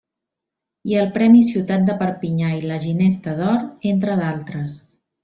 I el Premi Ciutat de Perpinyà i la Ginesta d'Or, entre d'altres.